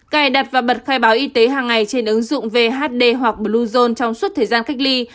cài đặt và bật khai báo y tế hàng ngày trên ứng dụng vhd hoặc bluezone trong suốt thời gian cách ly